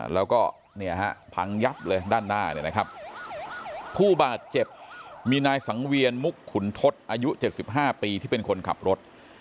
แล้วก็เนี่ยฮะพังยับเลยด้านหน้าเนี่ยนะครับผู้บาดเจ็บมีนายสังเวียนมุกขุนทศอายุ๗๕ปีที่เป็นคนขับรถ